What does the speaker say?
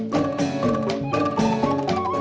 kehormatan bug politik